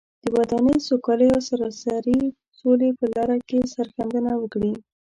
د ودانۍ، سوکالۍ او سراسري سولې په لاره کې سرښندنه وکړي.